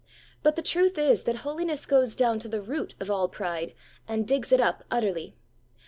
But the truth is, that Holiness goes down to the root of all pride, and digs it up utterly.